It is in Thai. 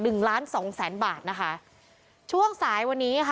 หนึ่งล้านสองแสนบาทนะคะช่วงสายวันนี้ค่ะ